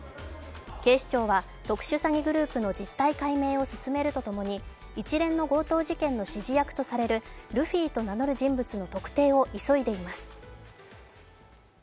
警視庁は特殊詐欺グループの実態解明を進めるとともに一連の強盗事件の指示役とされるルフィと名乗る人物の特定を急いでいます。